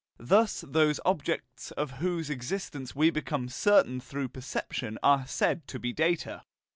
Thus those objects of whose existence we become certain through perception are said to be data.